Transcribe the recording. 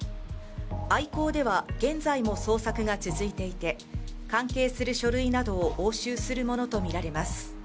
アイコーでは現在も捜索が続いていて、関係する書類などを押収するものとみられます。